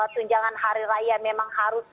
tunjangan hari raya memang harus